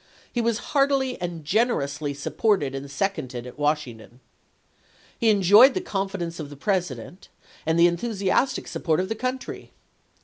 He was heartily and generously supported and seconded at Wash ington.1 He enjoyed the confidence of the Presi dent, and the enthusiastic support of the country.